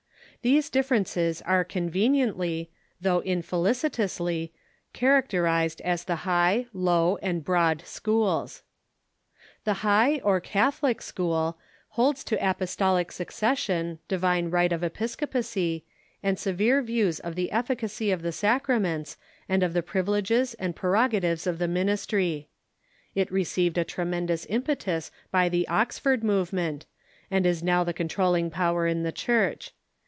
These difterences are conveniently, though infelici tously, characterized as the High, Low, and Broad schools. The High, or Catholic, School holds to apostolic succession, divine right of episcopacy, and severe views of the efficacy of the sacraments and of the privileges and preroof The High Church .„,.. t • i n atives oi the mmistr3\ It received a tremendous impetus by the Oxford movement, and is now the controlling power in the Church.